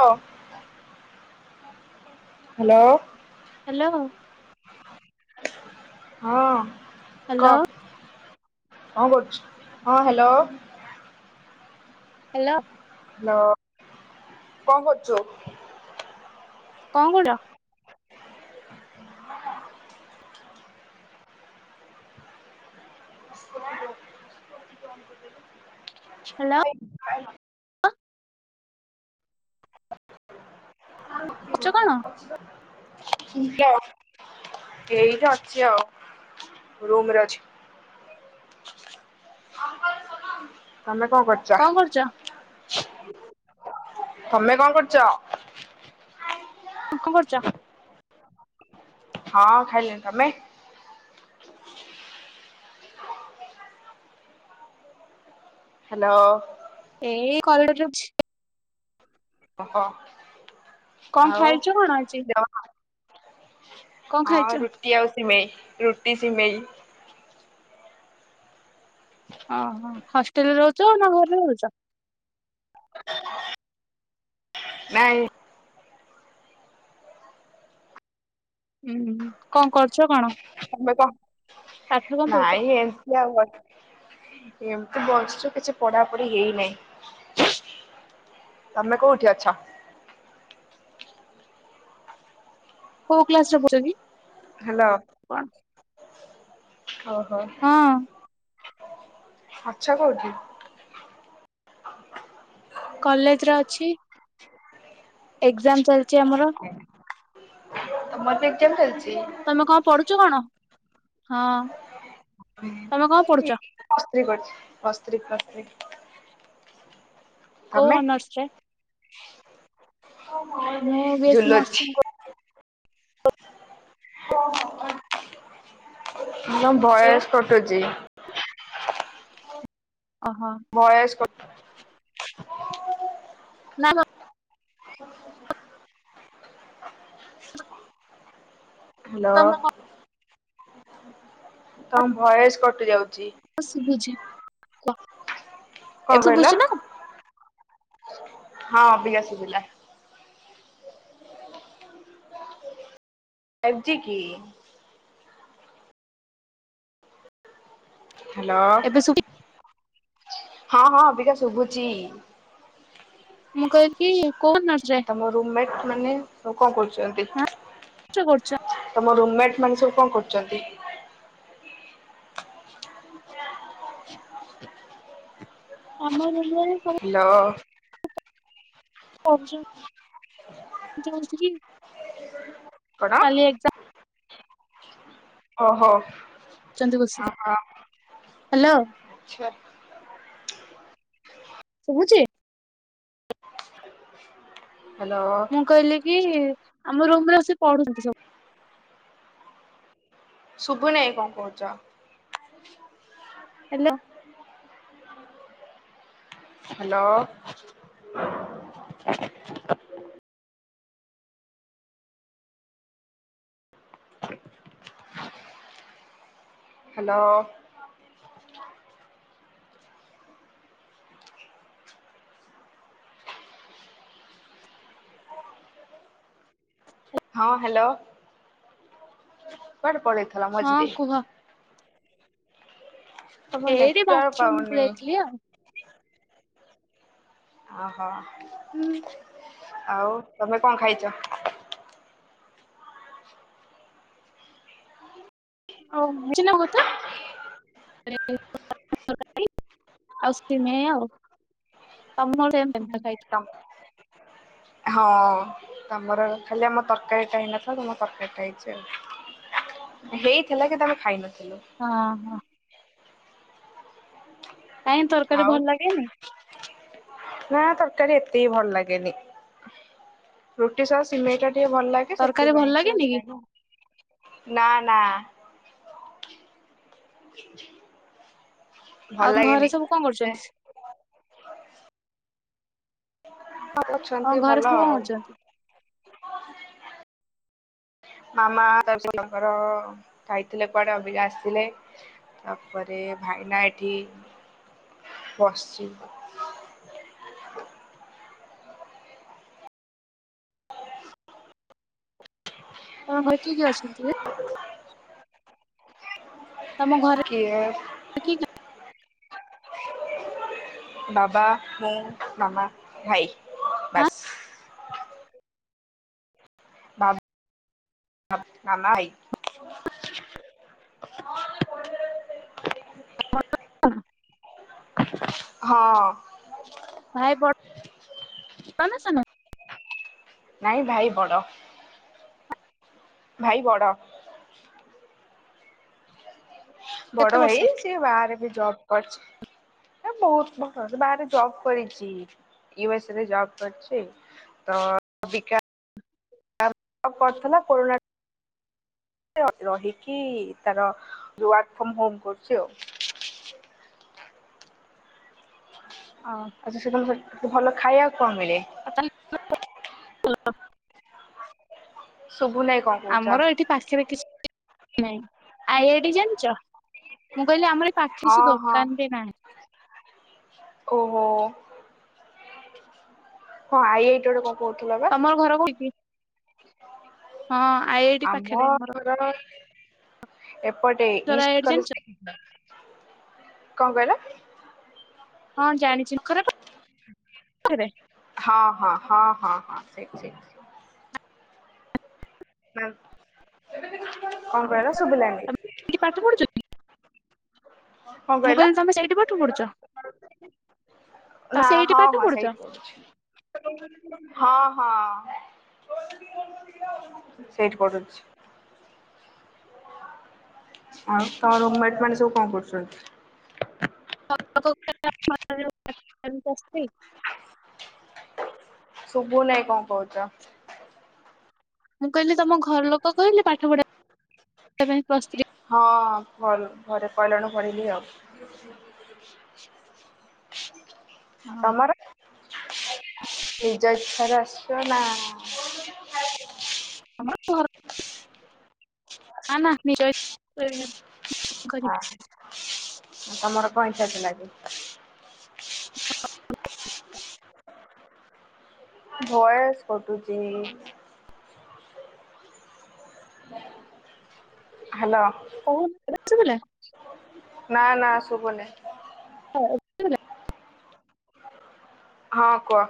ହଁ। Hello. Hello. ହଁ କ ହ୍ୟାଲୋ। କନ୍ କରୁଚୁ? ହଁ ହାଲୋ। ହ୍ୟାଲୋ। [unintelligible] କନ୍ କରୁଚୁ? କନ [unintelligible] ହ୍ୟାଲୋ। କରୁଚ କଣ? [unintelligible] ଏଇଟା ଅଛି ଆଉ ରୁମ୍ ରେ ଅଛି। [unintelligible] ତମେ କଣ କରୁଚ? ତମେ କଣ କରୁଚ? କଣ କରୁଚ? ହଁ ଖାଇଲିଣି ତମେ? ହ୍ୟାଲୋ। ଏଇ କୈଡରେ ଅଛି। ଓହୋ କଣ ଆଉ ଖାଇଛ କଣ ଆଜି [unintelligible] କଣ ଖାଇଛ? ହଁ ରୁଟିି ଆଉ ସିମେଇ ରୁଟି ସିମେଇ। ଓହୋ ହଷ୍ଟେଲ ରେ ରହୁଚ ନା ଘରେ ରହୁଚ? ନାଇଁ ହୁଁ କନ୍ କରୁଚ କଣ? ତମେ ବ ପାଠ କଣ ପଢୁଛ ନାଇଁ ଏମତି ଆଉ ବ ଏମତି ବସିଚୁ କିଛି ପଢାପଢି ହେଇନାହିଁ। ତମେ କୋଉଠି ଅଛ? କୋଉ କ୍ଲାସରେ ପଢୁଚ କି? ହାଲୋ। କଣ? ଓହୋ। ହଁ। ଆଛ କୋଉଠି? କଲେଜରେ ଅଛି। ଏଗଯାମ୍ ଚାଲିଚି ଆମର। ତମର ବି ଏଗଜାମ୍ ଚାଲିଚି। ତମେ କଣ ପଡୁଚ କଣ ହଁ ତମେ କଣ ପଡୁଚ? ପ୍ଲଅସ୍ତ୍ରୀ କରିଚି ପ୍ଲଅସ୍ତ୍ରୀ ପ୍ଲଅସ୍ତ୍ରୀ। କୋଉ ଅନର୍ସରେ? ମୁଁ ବିଏସି ଝୁଲୁଛି ନର୍ସିଂ କ [unintelligible] ତୁମ କରୁଛି ବା ଭୟେସ୍ କଟୁଚି। ଅ ହ ଭୟେସ୍ କଟୁଚି। ନା କ ହ୍ୟାଲୋ। ତମ କଣ ତମ ଭୟସ୍ କଟି ଯାଉଚି। ଶୁୁଭୁଚି କ କଣ ଏବେ କହିଲ? ସବୁଛି ନା? ହଁ ଅଭିକା ସୁବିଲା। ଏଜିକି। ହ୍ୟାଲୋ ଏବେ ଶୁଭୁ ହଁ ହଁ ଅବିକା ଶୁଭୁଚି। ମୁଁ କହିକି। ଆଉ ତମ ରୁମମେଟ ମାନେ କଣ କରୁଛନ୍ତି? କିସ କରୁଛ? ତମ ରୁମମେଟ ମାନେ ସବୁ କଣ କରୁଛନ୍ତି? ଅନ୍ୟ ରୁମରେ ସବୁ ହ୍ୟାଲୋ। ଶୁଭା ହୋଉଛି ଯଉଶି କି? କଣ? ଓହୋ। ହ ବସି ହ୍ୟାଲୋ। ଆଛା। ଶୁଭୁଛି। ହ୍ୟାଲୋ ମୁଁ କହିଲି କି ଆମ ରୁମରେ ବସିକି ପଢୁଛନ୍ତି ସବୁ। ଶୁଭୁନେଇ କଣ କହୁଛ? ହ୍ୟାଲୋ। ହ୍ୟାଲୋ। [inaudible] [inaudible] ହ୍ୟାଲୋ। ହଁ ହ୍ୟାଲୋ, କୁଆଡେ ପଳେଇ ହଁ କୁହ। ତମ ଏଇଠି ନେଟୱାର୍କ ବାଥରୁମ୍ କୁ ପାଉନି। ଯାଇଥିଲି ଆଉ। ଓହୋ, ହୁଁ ଆଉ ତୋମେ କଣ ଖାଇଛ? ଆଉ [inaudible] କଥା [inaudible] ଆଉ ସିମେଇ ଆଉ। ତୋମର ସେମ୍ ସେମ୍ ତ ଖାଇଛୁ। [inaudible] ହଁ ତୋମର ଖାଲି ଆମ ତରକାରୀ ଟା ହେଇନଥିଲା। ତୁମ ତରକାରୀ ଟା ହେଇଛି ଆଉ। ହେଇଥିଲା ଯେ ତୋମେ ଖାଇନଥିଲୁ। ହଁ, ହଁ। କାଇଁ ତରକାରୀ ଆଉ ଭଲ ଲାଗେନି? ନା ତରକାରୀ ଏତେ ବି ଭଲ ଲାଗେନି। ରୁଟି ସହ ସିମେଇ ଟା ଟିକେ ଭଲ ଲାଗେ ତରକାରୀ ଭଲ ସେଥିପାଇଁ କି ଆଉ ଲାଗେନି ଖାଇଲୁ। ନା, ନା। ଭଲ ଆଉ ଘରେ ଲାଗେନି। ସବୁ କଣ ସେ କରୁଛନ୍ତି? ହଁ ତମ ଅଛନ୍ତି ଘରେ ଭଲ ସବୁ କଣ ଆଉ। କରୁଛନ୍ତି? ମାମା [inaudible] ତାଙ୍କର ଯାଇଥିଲେ କୁଆଡେ ଅବିକା ଆସିଲେ। ତାପରେ ଭାଇନା ଏଠି ବସଚି। ତୋମ ଘରେ କିଏ କିଏ ଅଛନ୍ତି? ତୋମ କିଏ ବାବା, ମୁଁ, ମାମା, ଭାଇ ଆଁ ବାସ୍। ବା [inaudible] ମାମା, ଭାଇ। [inaudible] ହଁ। ଭାଇ ବଡ ତୋମେ ସାନ? ନାଇଁ ଭାଇ ବଡ। ଭାଇ ବଡ। କେତେ ବଡ ହେଇ ବର୍ଷ ସିଏ ବାହାରେ ବି ଜବ୍ କରିଛି। ସେ ବହୁତ ବଡ। ସେ ବାହାରେ ଜବ୍ କରିଚି। ୟୁ ଏସ୍ ରେ ଜବ୍ କରିଛି। ତ ଅବିକା ଆଉ ପ୍ରଥମ କରୁଣା ର-ରହିକି ତାର ୱାର୍କ ଫ୍ରମ୍ ହୋମ୍ କରୁଛି ଆଉ। ହ [inaudible] ହଁ। ଆଚ୍ଛା [inaudible] ସେ ଭଲ ଖାଇଆକୁ କଣ ମିଳେ? [inaudible] ଶୁଭୁ ନାଇଁ କଣ କହୁଛ? ଆମର ଏଠି ପାଖରେ କିଛି ନାଇଁ, ଆଇ ଆଇ ଟି ଜାଣିଚ? ମୁଁ କହିଲି ଆମର ଏଇ ପା କିଛି ହଁ ହଁ ଦୋକାନ ବି ନାହିଁ। ଓହୋ! ହଁ ଆଇ ଆଇ ଟି ଗୋଟେ କ ତୋମର ଘର କୋଉଠି? ହଁ ଆଇ ଆଇ ଟି ଆମ ପାଖରେ ଆମର ଘର ଏପଟେ ଆଇ ଆଇ ଇଷ୍ଟ ଟି ଜାଣିଛ କଲେଜ୍ [inaudible] କଣ କହିଲ? ହଁ ଜାଣିଛି ଘର ପା ଖରେ? ହଁ ହଁ ହଁ ହଁ ହଁ ସେଇଠି ସେଇଠି। ମ୍ୟାମ୍ କଣ କହିଲ ଶୁଭିଲାନି? କି ପାଠ ପଢୁଛ କି? କଣ ମୁଁ କହିଲ କହିଲି ତମେ ସେଇଠି ପାଠ ପଢୁଛ? ନା ତମେ ସେଇଠି ହଁ ପାଠ ହଁ ପଢୁଛ? ସେଇଠି ପଢୁଛି। ହଁ ହଁ ସେଇଠି ପଢୁଛି। ଆଉ ତୋ ରୁମ ମେଟ ମାନେ ସବୁ କଣ କରୁଛନ୍ତି? [unintelligible] ଶୁବୁ ନେଇ କଣ କହୁଛ? ମୁଁ କହିଲି ତମ ଘର ଲୋକ କହିଲେ ପାଠ ପଢିଆ ପାଇଁ ପ୍ଲସ ଥ୍ରୀ? ହଁ ଭଲ ଘରେ କଇଲାରୁ ପଢିଲି ଆଉ। [inaudible] ହଁ। ତମର? ନିଜ ଇଛାରେ ଆସିଛ ନା? ଆମର ଘର ନା ନା ନିଜ ଇ [unintelligible] ହଁ ତମର କଣ ଇଛା ଥିଲା କି? ଭୟସ କଟୁଚି। ହାଲୋ। କଉନ ଏ ବେ ଶୁଭିଲା? ନା ନା ଶୁଭୁନି। ହଉ ଏବେ ଶୁଭିଲା? ହଁ କୁଅ?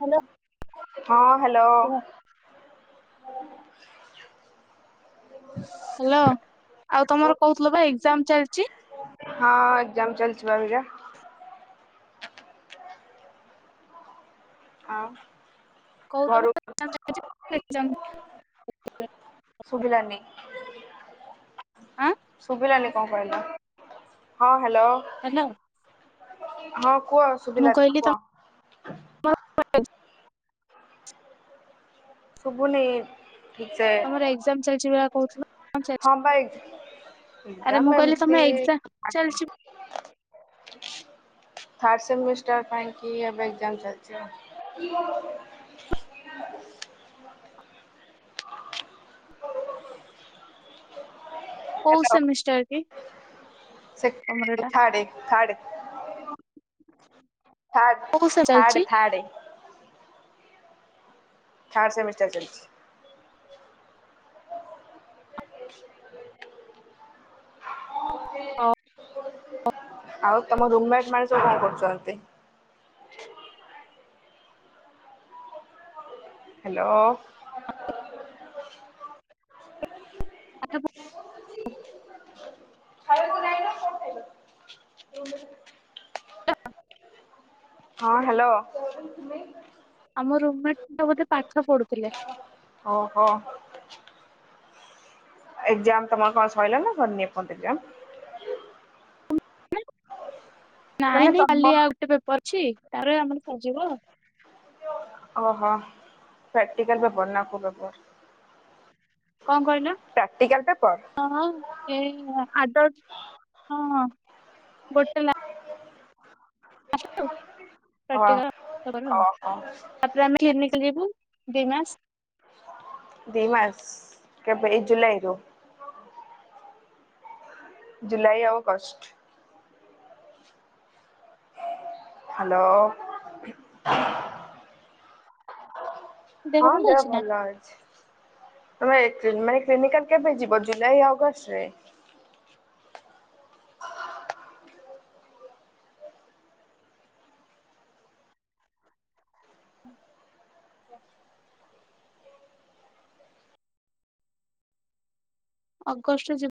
ହ୍ୟାଲୋ। ହଁ ହ୍ୟାଲୋ। ହ୍ୟାଲୋ ଆଉ ତମର କହୁଥିଲ ବା ଏକ୍ଜାମ ଚାଲିଛି? ହଁ ଏକ୍ଜାମ ଚାଲିଛି ବା ଅବିକା। ଆଉ? କହୁଦ ଘରୁ [unintelligible] ଏକ୍ଜାମ। ସୁଭିଲାନି। ଆଁ? ଶୁଭିଲାନି କଣ କହିଲ? ହଁ ହ୍ୟାଲୋ। ହାଲୋ। ହଁ କୁହ ମୁଁ ଶୁଭିଲା ଏଥର କହିଲି ତମ କୁହ? [unintelligible] ଶୁଭୁନି ଠିକ ସେ। ଏକଜମ୍ ଚାଲିଛି ପରା କହୁଥିଲୁ ଏକ୍ଜଜମ ଚାଲିଛି? ହଁ ବା ଆରେ ଏକ୍ଜାମ ମୁଁ କହିଲି ଏମିତି ତମ ଏକଜାମ୍ ଚାଲଛି। ଥାର୍ଡ଼ ସେମିଷ୍ଟର ପାଇଁ କିି ଏବେ ଏକ୍ଜାମ ଚାଲିଛି। କୋଉ ସେମିଷ୍ଟାର କି? ତମର ସେକେ ଏଟା [unintelligible] ଥାଡେ ଥାଡେ। ଥାଡ଼ କୋଉ ସେ ଥାଡ଼ ଚାଲିଛି ଥାଡ଼େ। ଥାର୍ଡ଼ ସେମିଷ୍ଟାର ଚାଲିଛି। ଆଉ ତମ ରୁମମେଟ ମାନେ ସବୁ କଣ କରୁଛନ୍ତି? ହ୍ୟାଲୋ। ପାଠ। [unintelligible] ଖାଇବାକୁ ଯାଇନ କଣ ହଁ ହ୍ୟାଲୋ। ଆମ ରୁମମେଟ ଟ ବୋଧେ ପାଠ ପଢୁଥିଲେ? ଓ ହୋ ଏକ୍ସଜାମ ତମର କଣ ସରିଲା ନା ସରିନି ଏପଯ୍ୟନ୍ତ ଏକ୍ସଜାମ? ନାଇଁ ମାନେ ନାଇଁ ତମ କାଲି ଆଉ ଗୋଟେ ପେପର ଅଛି ତ ଆମର ସରିଯିବ। ଓହୋ ପ୍ରାକ୍ଟିକାଲ ପେପର ନା କୋଉ ପେପର? କଣ କହିଲ? ପ୍ରାକ୍ଟିକାଲ ପେପର ହଁ ଏ ଆଦ ହଁ ଗୋଟେ ଲ ଆସ ଅ ପ୍ରିକା ଓହୋ [unintelligible] ଆମେ କିନିକାଲ ଯିବୁ ଦିଇ ମାସ। ଦି ମାସ କେବେ ଏଇ ଜୁଲାଇରୁ? ଜୁଲାଇ ଆଉ ଅଗଷ୍ଟ ହ୍ୟାଲୋ। ହଁ ଦେହ ଭଲ ଅଛି। ତମେ ମାନେ କ୍ଲିନିକାଲ କେବେ ଯିବ ଜୁଲାଇ ଅଗଷ୍ଟ ରେ? ଅଗଷ୍ଟ ଜି